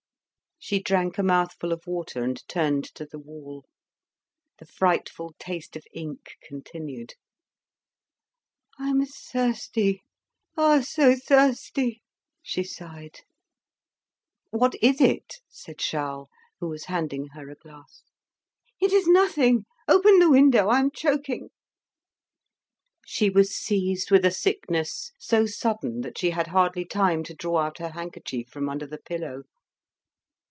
She drank a mouthful of water and turned to the wall. The frightful taste of ink continued. "I am thirsty; oh! so thirsty," she sighed. "What is it?" said Charles, who was handing her a glass. "It is nothing! Open the window; I am choking." She was seized with a sickness so sudden that she had hardly time to draw out her handkerchief from under the pillow.